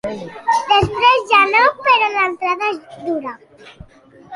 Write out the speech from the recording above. Després ja no, però l'entrada és dura.